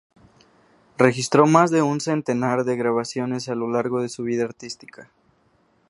Registró más de un centenar de grabaciones a lo largo de su vida artística.